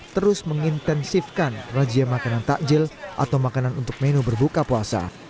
terus mengintensifkan razia makanan takjil atau makanan untuk menu berbuka puasa